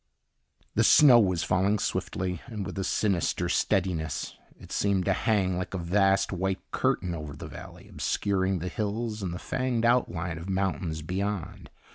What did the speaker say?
The snow was falling swiftly and with a sinister steadiness. It seemed to hang like a vast white curtain over the valley, obscuring the hills and the fanged outline of mountains beyond.